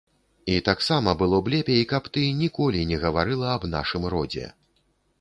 І таксама было б лепей, каб ты ніколі не гаварыла аб нашым родзе.